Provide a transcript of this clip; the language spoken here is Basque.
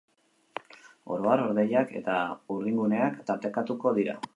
Oro har hodeiak eta urdinguneak tartekatuko dira.